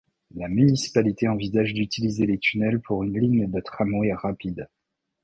La municipalité envisage d'utiliser les tunnels pour une ligne de tramway rapide.